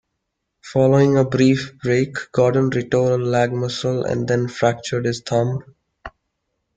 Following a brief break, Gordon retore a leg muscle and then fractured his thumb.